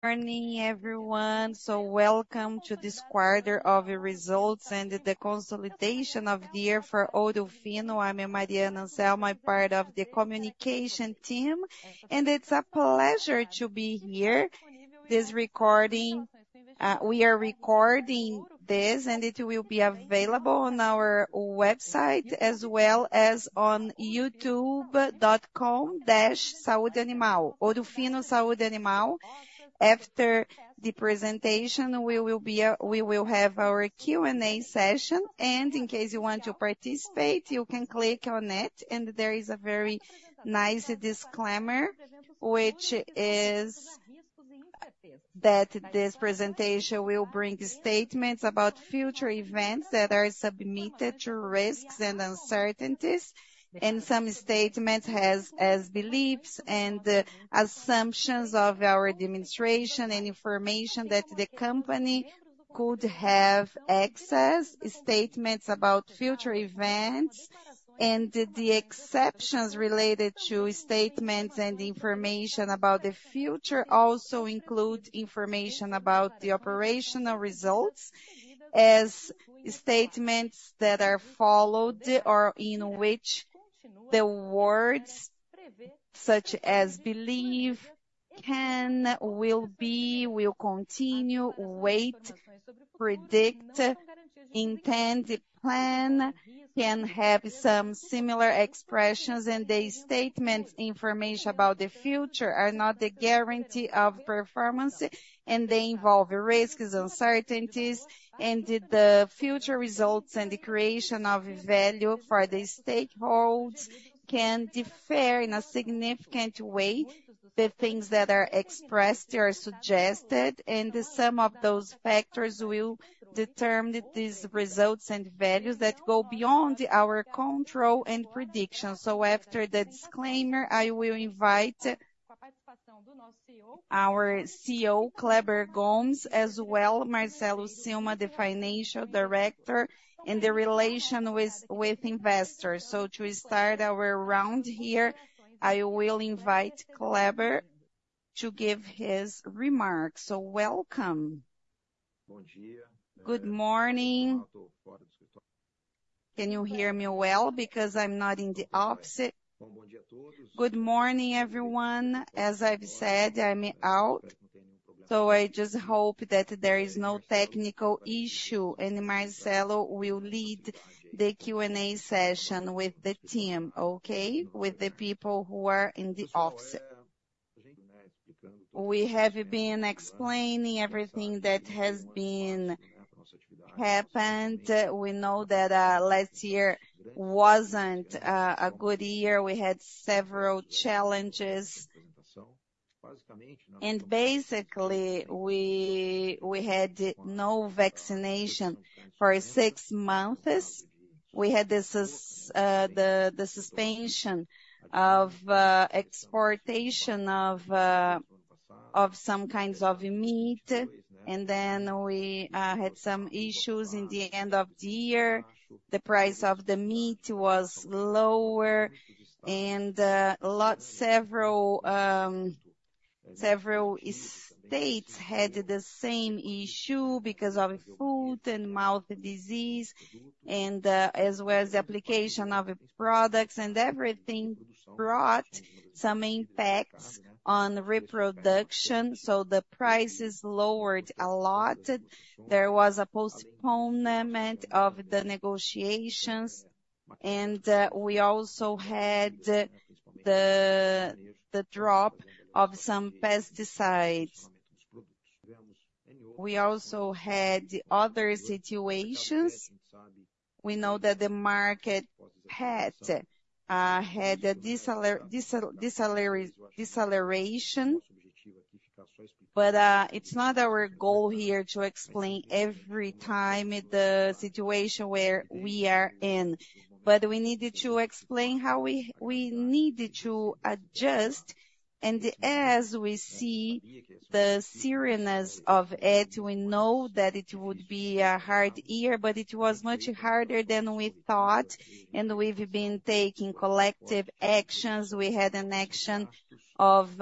Morning, everyone. Welcome to this quarter of results and the consolidation of the year for Ouro Fino. I'm Mariana Anselmo, I'm part of the communication team, and it's a pleasure to be here. We are recording this, and it will be available on our website as well as on youtube.com/saudeanimal, Ouro Fino Saúde Animal. After the presentation, we will have our Q&A session. In case you want to participate, you can click on it and there is a very nice disclaimer, which is that this presentation will bring statements about future events that are submitted to risks and uncertainties. Some statements has as beliefs and assumptions of our administration and information that the company could have access statements about future events. The exceptions related to statements and information about the future also include information about the operational results as statements that are followed or in which the words such as believe, can, will be, will continue, wait, predict, intend, plan, can have some similar expressions. The statements information about the future are not a guarantee of performance, and they involve risks, uncertainties, and the future results and the creation of value for the stakeholders can differ in a significant way. The things that are expressed or suggested. Some of those factors will determine these results and values that go beyond our control and prediction. After the disclaimer, I will invite our CEO, Kleber Gomes, as well Marcelo Silva, the Chief Financial Officer and Investor Relations Officer. To start our round here, I will invite Kleber to give his remarks. Welcome. Good morning. Can you hear me well? Because I'm not in the office. Good morning, everyone. As I've said, I'm out. I just hope that there is no technical issue. Marcelo will lead the Q&A session with the team, okay? With the people who are in the office. We have been explaining everything that has been happened. We know that last year wasn't a good year. We had several challenges. Basically, we had no vaccination for six months. We had the suspension of exportation of some kinds of meat. We had some issues in the end of the year. The price of the meat was lower. Several states had the same issue because of foot-and-mouth disease. As well as the application of products and everything brought some impacts on reproduction. The prices lowered a lot. There was a postponement of the negotiations. We also had the drop of some pesticides. We also had other situations. We know that the market had a deceleration, it's not our goal here to explain every time the situation where we are in. We needed to explain how we needed to adjust. As we see the seriousness of it, we know that it would be a hard year, it was much harder than we thought. We've been taking collective actions. We had an action of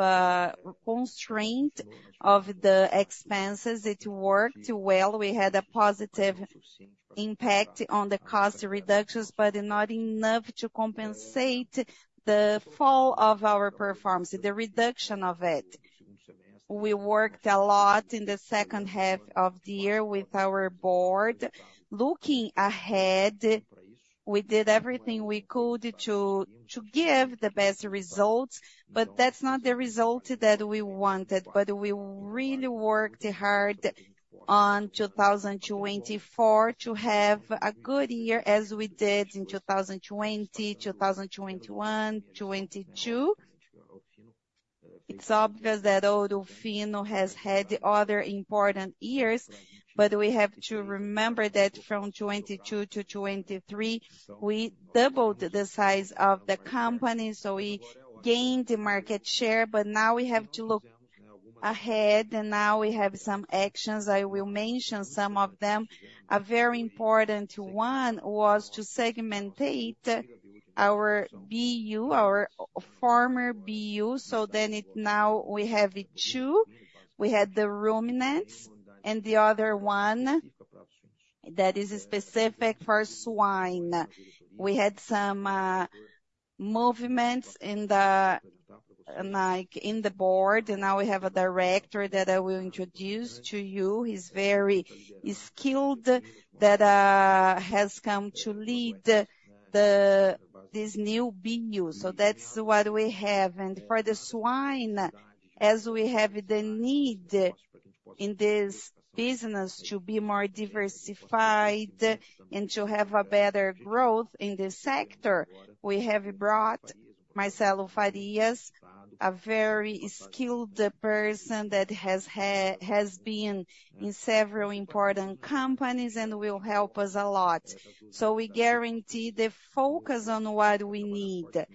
constraint of the expenses. It worked well. We had a positive impact on the cost reductions, not enough to compensate the fall of our performance, the reduction of it. We worked a lot in the second half of the year with our board. Looking ahead, we did everything we could to give the best results, that's not the result that we wanted. We really worked hard on 2024 to have a good year as we did in 2020, 2021, 2022. It's obvious that Ouro Fino has had other important years, we have to remember that from 2022 to 2023, we doubled the size of the company, so we gained market share. Now we have to look ahead and now we have some actions. I will mention some of them. A very important one was to segmentate our former BU. Now we have two. We had the ruminants and the other one that is specific for swine. We had some movements in the board, now we have a Director that I will introduce to you. He's very skilled, that has come to lead this new BU. That's what we have. For the swine, as we have the need in this business to be more diversified and to have a better growth in this sector, we have brought Marcelo Faria, a very skilled person that has been in several important companies and will help us a lot. We guarantee the focus on what we need.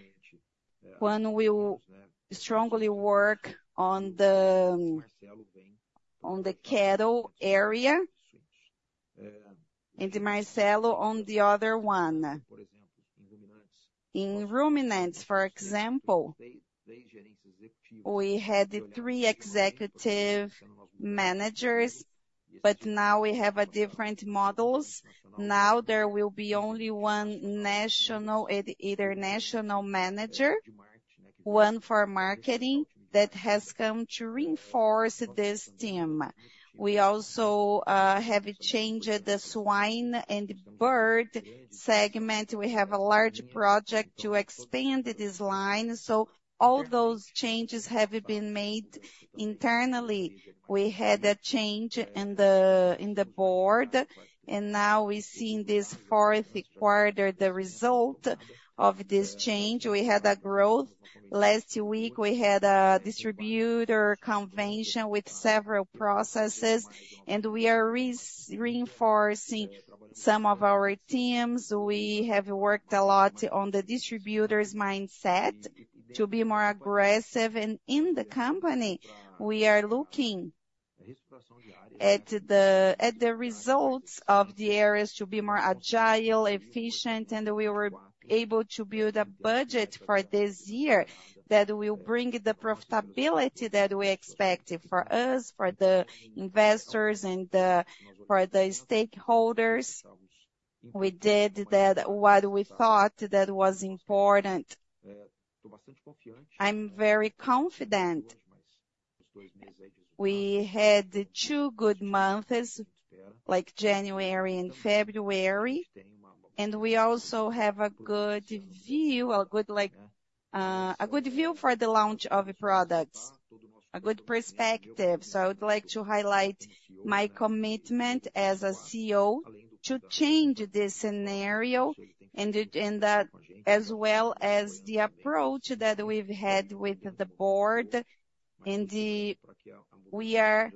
One, we will strongly work on the cattle area, and Marcelo on the other one. In ruminants, for example, we had three executive managers, now we have different models. Now there will be only one international manager, one for marketing, that has come to reinforce this team. We also have changed the swine and bird segment. We have a large project to expand this line, all those changes have been made internally. We had a change in the board, now we're seeing this fourth quarter, the result of this change. We had a growth. Last week, we had a distributor convention with several processes, we are reinforcing some of our teams. We have worked a lot on the distributor's mindset to be more aggressive. In the company, we are looking at the results of the areas to be more agile, efficient, we were able to build a budget for this year that will bring the profitability that we expected for us, for the investors, and for the stakeholders. We did what we thought was important. I'm very confident. We had two good months, like January and February, we also have a good view for the launch of products, a good perspective. I would like to highlight my commitment as a CEO to change this scenario, as well as the approach that we've had with the board. We are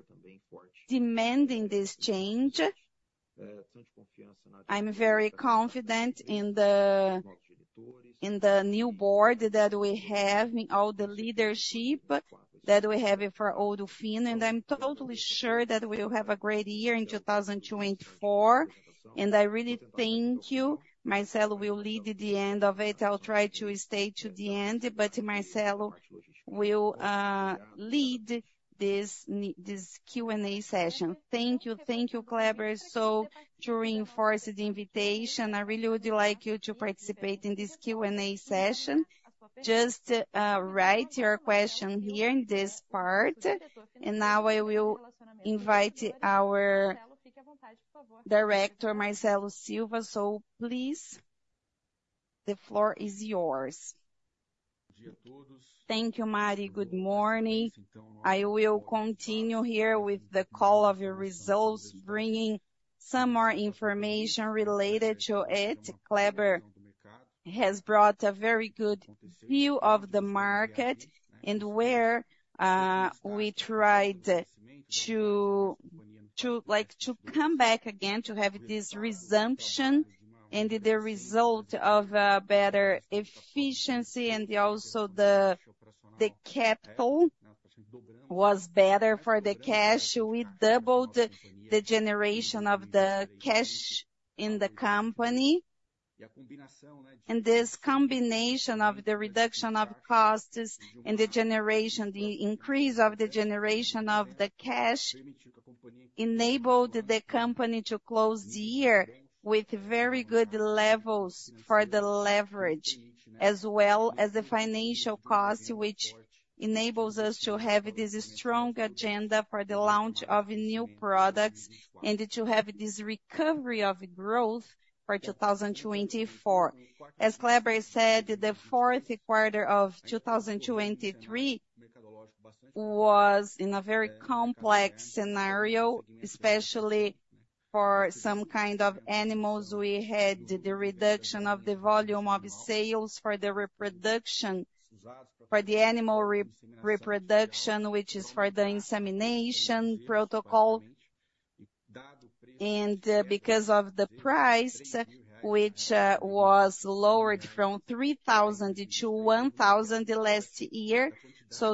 demanding this change. I'm very confident in the new board that we have, all the leadership that we have for Ouro Fino, I'm totally sure that we will have a great year in 2024. I really thank you. Marcelo will lead at the end of it. I'll try to stay to the end, Marcelo will lead this Q&A session. Thank you. Thank you, Kleber. To reinforce the invitation, I really would like you to participate in this Q&A session. Just write your question here in this part. Now I will invite our Director, Marcelo Silva. Please, the floor is yours. Thank you, Mari. Good morning. I will continue here with the call of your results, bringing some more information related to it. Kleber has brought a very good view of the market and where we tried to come back again, to have this resumption and the result of better efficiency, and also the capital was better for the cash. We doubled the generation of the cash in the company. This combination of the reduction of costs and the increase of the generation of the cash enabled the company to close the year with very good levels for the leverage, as well as the financial cost, which enables us to have this strong agenda for the launch of new products and to have this recovery of growth for 2024. As Kleber said, the fourth quarter of 2023 was in a very complex scenario, especially for some kind of animals. We had the reduction of the volume of sales for the animal reproduction, which is for the insemination protocol. Because of the price, which was lowered from 3,000 to 1,000 last year.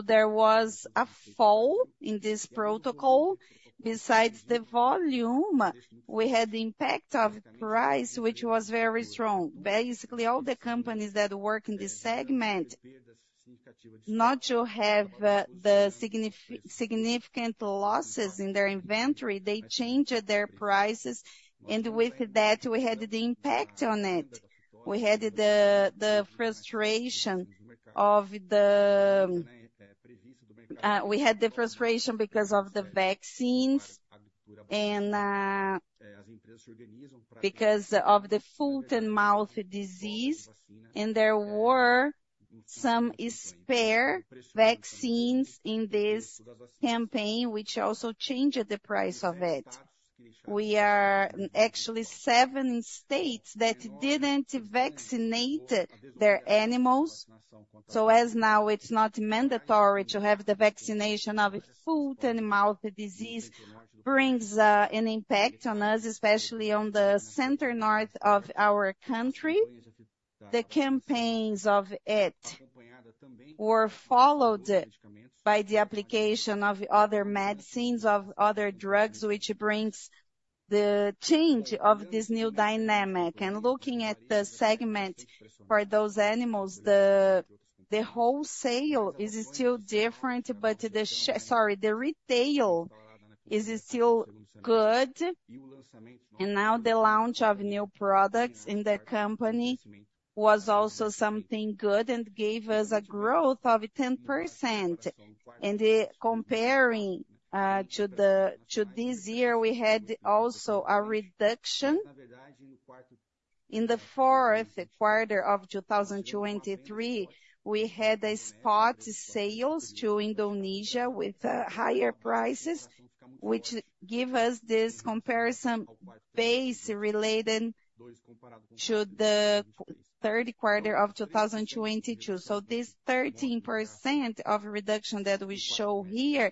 There was a fall in this protocol. Besides the volume, we had the impact of price, which was very strong. Basically, all the companies that work in this segment Not to have the significant losses in their inventory, they changed their prices, and with that, we had the impact on it. We had the frustration because of the vaccines and because of the foot-and-mouth disease, and there were some spare vaccines in this campaign, which also changed the price of it. We are actually seven states that didn't vaccinate their animals. As now it's not mandatory to have the vaccination of foot-and-mouth disease brings an impact on us, especially on the center north of our country. The campaigns of it were followed by the application of other medicines, of other drugs, which brings the change of this new dynamic. Looking at the segment for those animals, the wholesale is still different, but the retail is still good. Now the launch of new products in the company was also something good and gave us a growth of 10%. Comparing to this year, we had also a reduction. In the fourth quarter of 2023, we had spot sales to Indonesia with higher prices, which give us this comparison base related to the third quarter of 2022. This 13% of reduction that we show here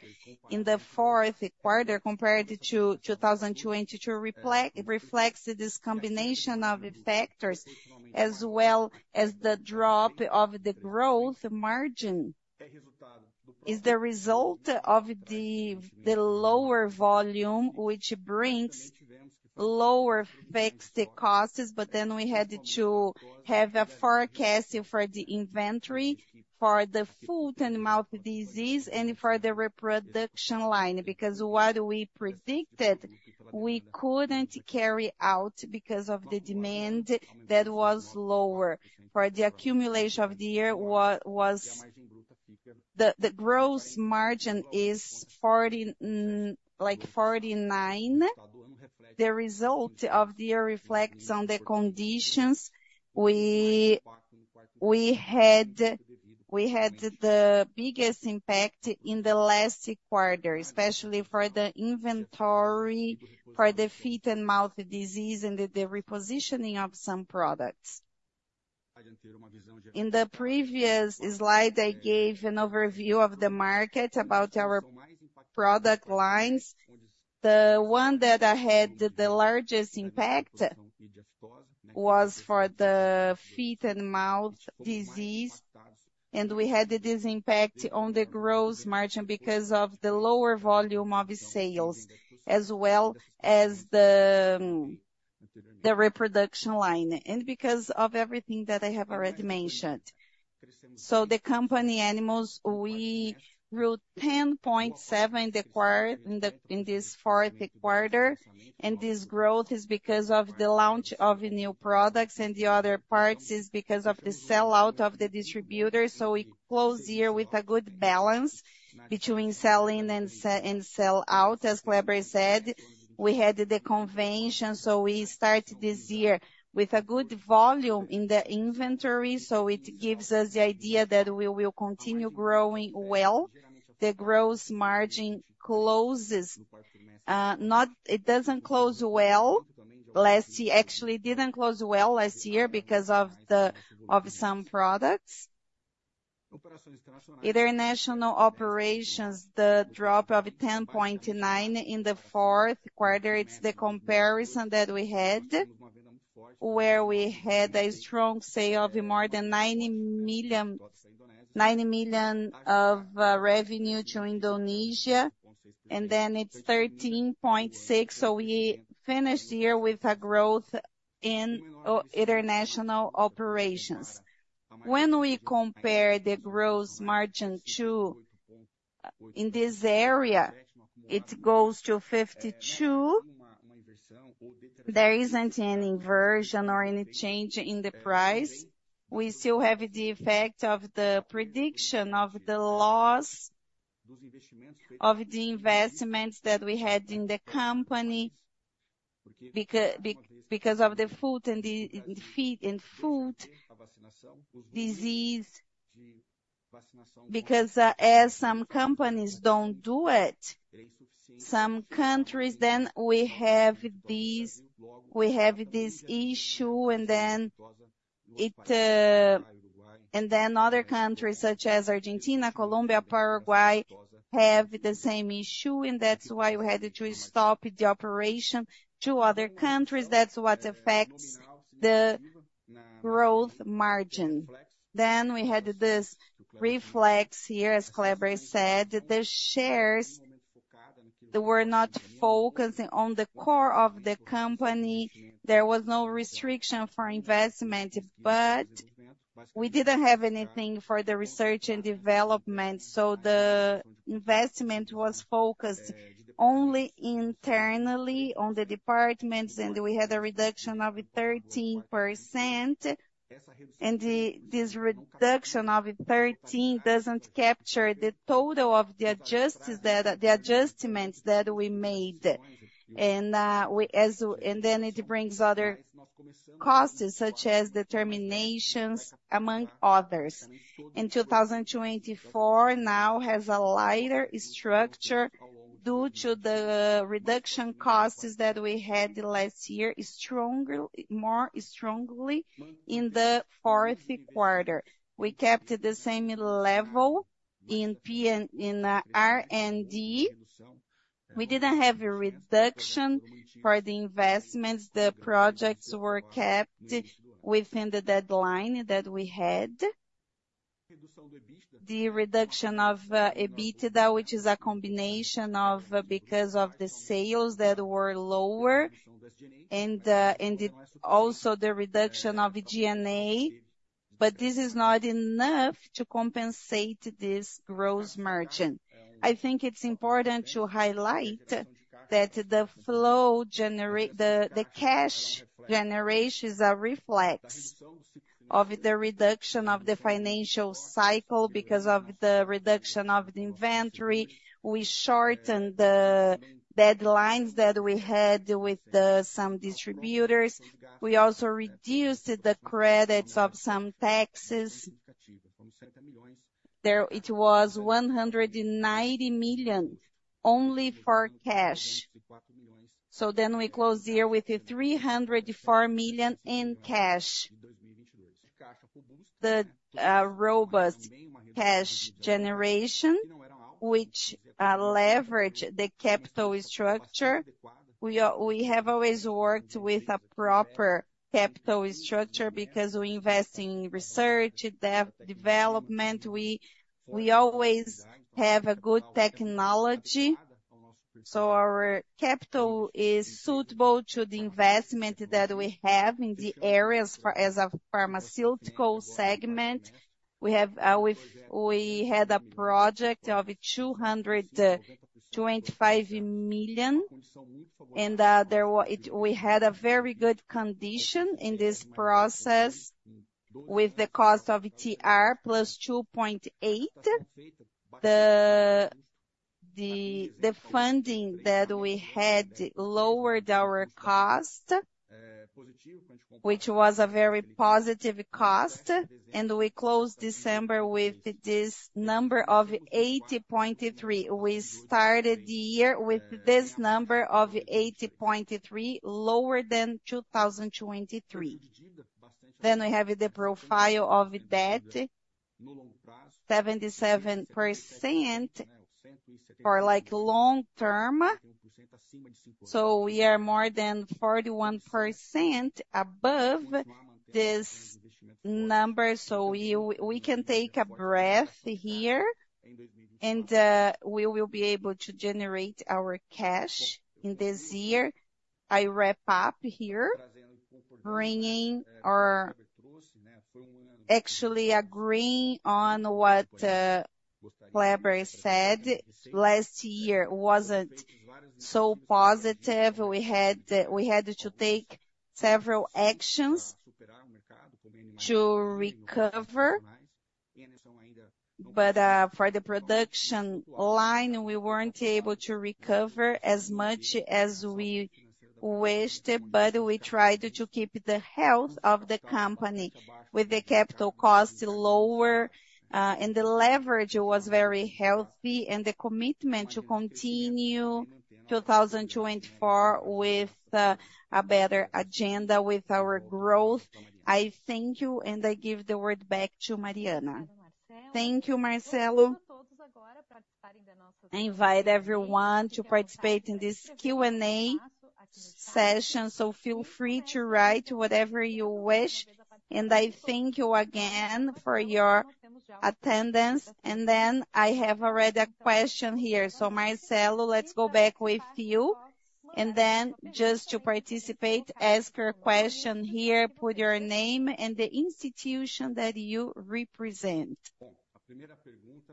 in the fourth quarter compared to 2022, reflects this combination of factors as well as the drop of the growth margin is the result of the lower volume, which brings lower fixed costs. We had to have a forecast for the inventory for the foot-and-mouth disease and for the reproduction line, because what we predicted, we couldn't carry out because of the demand that was lower. For the accumulation of the year, the gross margin is 49%. The result of the year reflects on the conditions. We had the biggest impact in the last quarter, especially for the inventory, for the foot-and-mouth disease and the repositioning of some products. In the previous slide, I gave an overview of the market about our product lines. The one that had the largest impact was for the foot-and-mouth disease. We had this impact on the gross margin because of the lower volume of sales as well as the reproduction line. Because of everything that I have already mentioned. The company animals, we grew 10.7% in this fourth quarter. This growth is because of the launch of new products and the other parts is because of the sell-out of the distributors. We close the year with a good balance between sell-in and sell-out. As Kleber said, we had the convention. We start this year with a good volume in the inventory. It gives us the idea that we will continue growing well. The gross margin, it doesn't close well. Actually, it didn't close well last year because of some products. International operations, the drop of 10.9% in the fourth quarter, it's the comparison that we had, where we had a strong sale of more than $90 million of revenue to Indonesia, and it's 13.6%. We finished the year with a growth in international operations. When we compare the gross margin in this area, it goes to 52%. There isn't any inversion or any change in the price. We still have the effect of the prediction of the loss of the investments that we had in the company because of the foot-and-mouth disease. As some companies don't do it, some countries we have this issue and other countries such as Argentina, Colombia, Paraguay, have the same issue and that's why we had to stop the operation to other countries. That's what affects the gross margin. We had this reflex here, as Kleber said, the shares They were not focusing on the core of the company. There was no restriction for investment, but we didn't have anything for the Research and Development. The investment was focused only internally on the departments, and we had a reduction of 13%. This reduction of 13% doesn't capture the total of the adjustments that we made. It brings other costs, such as the terminations, among others. In 2024, now has a lighter structure due to the reduction costs that we had last year, more strongly in the fourth quarter. We kept the same level in R&D. We didn't have a reduction for the investments. The projects were kept within the deadline that we had. The reduction of EBITDA, which is a combination of because of the sales that were lower and also the reduction of G&A, this is not enough to compensate this gross margin. I think it's important to highlight that the cash generation is a reflex of the reduction of the financial cycle because of the reduction of the inventory. We shortened the deadlines that we had with some distributors. We also reduced the credits of some taxes. There it was 190 million only for cash. We closed the year with 304 million in cash. The robust cash generation, which leverage the capital structure. We have always worked with a proper capital structure because we invest in research, development. We always have a good technology. Our capital is suitable to the investment that we have in the areas as a pharmaceutical segment. We had a project of 225 million, and we had a very good condition in this process with the cost of TR plus 2.8. The funding that we had lowered our cost, which was a very positive cost, and we closed December with this number of 80.3. We started the year with this number of 80.3, lower than 2023. We have the profile of debt, 77% for long-term. We are more than 41% above this number. We can take a breath here, and we will be able to generate our cash in this year. I wrap up here, actually agreeing on what Kleber said. Last year wasn't so positive. We had to take several actions to recover. For the production line, we weren't able to recover as much as we wished, but we tried to keep the health of the company with the capital costs lower, and the leverage was very healthy, and the commitment to continue 2024 with a better agenda with our growth. I thank you, and I give the word back to Mariana. Thank you, Marcelo. I invite everyone to participate in this Q&A session, feel free to write whatever you wish. I thank you again for your attendance. I have already a question here. Marcelo, let's go back with you. Just to participate, ask your question here, put your name and the institution that you represent.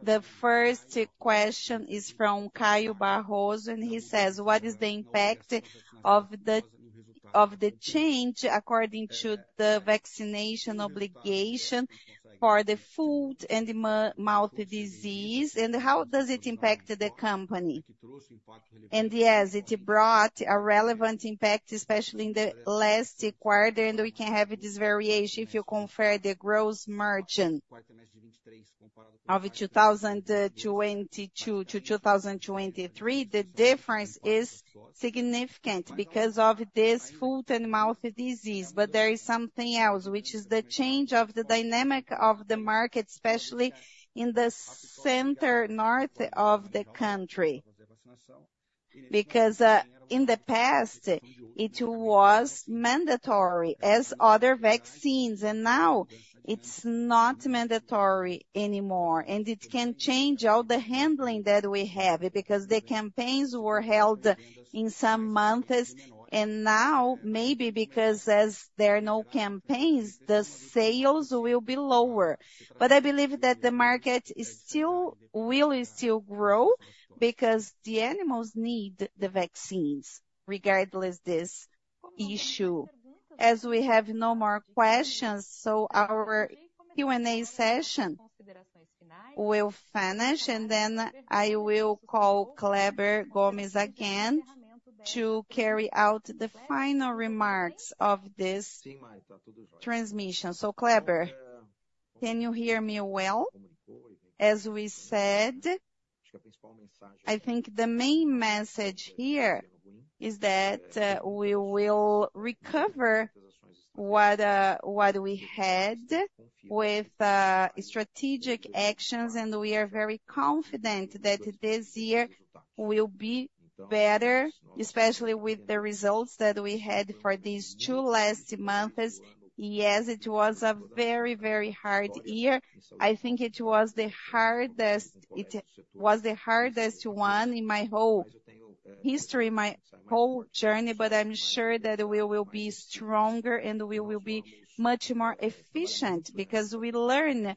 The first question is from Caio Barros, he says, "What is the impact of the change according to the vaccination obligation for the foot-and-mouth disease, how does it impact the company?" Yes, it brought a relevant impact, especially in the last quarter, we can have this variation if you compare the gross margin of 2022 to 2023. The difference is significant because of this foot-and-mouth disease. There is something else, which is the change of the dynamic of the market, especially in the center north of the country. Because in the past, it was mandatory as other vaccines, now it's not mandatory anymore. It can change all the handling that we have, because the campaigns were held in some months, now maybe because as there are no campaigns, the sales will be lower. I believe that the market will still grow because the animals need the vaccines regardless this issue. As we have no more questions, our Q&A session will finish, I will call Kleber Gomes again to carry out the final remarks of this transmission. Kleber, can you hear me well? As we said, I think the main message here is that we will recover what we had with strategic actions, we are very confident that this year will be better, especially with the results that we had for these two last months. It was a very, very hard year. I think it was the hardest one in my whole history, my whole journey. I'm sure that we will be stronger and we will be much more efficient because we learn.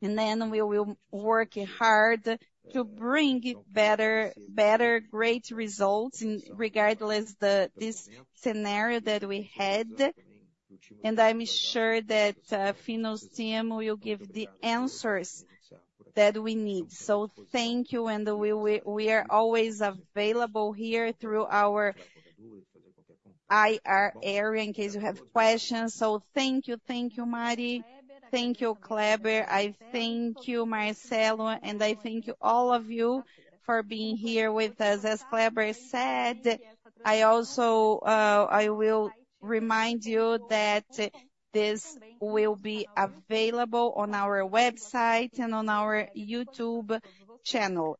We will work hard to bring better great results regardless this scenario that we had. I'm sure that Finosem will give the answers that we need. Thank you and we are always available here through our IR area in case you have questions. Thank you. Thank you, Mari. Thank you, Cleber. I thank you, Marcelo, and I thank you all of you for being here with us. As Cleber said, I will remind you that this will be available on our website and on our YouTube channel.